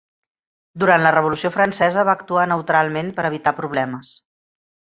Durant la Revolució francesa, va actuar neutralment per evitar problemes.